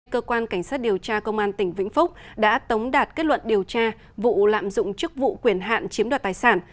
cơ quan cảnh sát điều tra công an tỉnh vĩnh phúc đã tống đạt kết luận điều tra vụ lạm dụng chức vụ quyền hạn chiếm đoạt tài sản